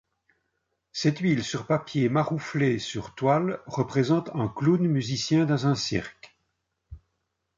Cette huile sur papier marouflé sur toile représente un clown musicien dans un cirque.